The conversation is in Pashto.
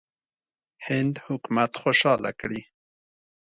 هند حکومت خوشاله کړي.